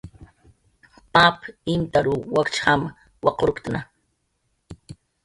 Pap imtaruw wakch jam waqurktna